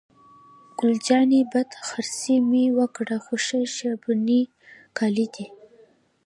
ګل جانې: بد خرڅي مې وکړل، خو ښه شبني کالي دي.